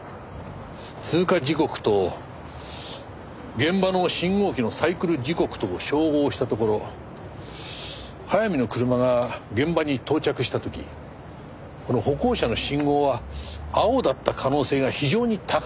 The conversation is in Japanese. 通過時刻と現場の信号機のサイクル時刻とを照合したところ早見の車が現場に到着した時この歩行者の信号は青だった可能性が非常に高いという事がわかりました。